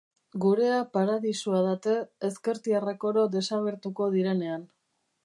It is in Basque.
Gurea paradisua date, ezkertiarrak oro desagertuko direnean.